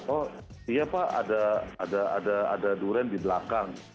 oh iya pak ada durian di belakang